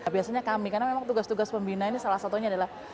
biasanya kami karena memang tugas tugas pembina ini salah satunya adalah